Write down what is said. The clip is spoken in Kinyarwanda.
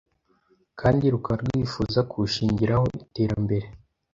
kandi rukaba rwifuza kuwushingiraho iterambere